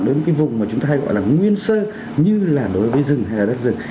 đối với một cái vùng mà chúng ta hay gọi là nguyên sơ như là đối với rừng hay là đất rừng